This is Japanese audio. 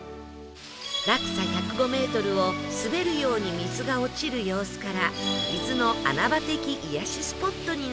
落差１０５メートルを滑るように水が落ちる様子から伊豆の穴場的癒やしスポットになっているんです